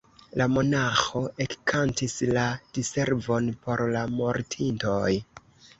La monaĥo ekkantis la Diservon por la mortintoj.